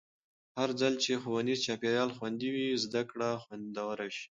هرځل چې ښوونیز چاپېریال خوندي وي، زده کړه خوندوره شي.